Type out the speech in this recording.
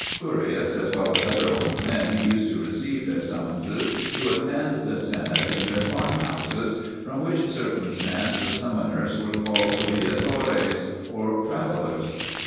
Curius as well as other old men used to receive their summonses to attend the Senate in their farm houses, from which circumstance the summoners were called viatores or "travellers."